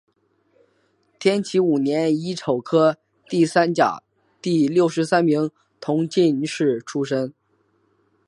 天启五年乙丑科第三甲第六十三名同进士出身。